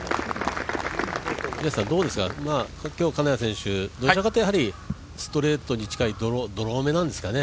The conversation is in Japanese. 今日、金谷選手、どちらかというとストレートに近い、ドローめなんですかね